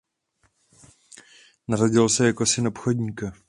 Narodil se jako syn obchodníka.